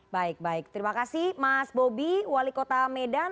baik baik terima kasih mas bobi wali kota medan